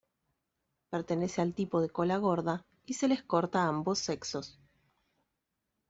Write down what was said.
Pertenece al tipo de cola gorda, y se les corta a ambos sexos.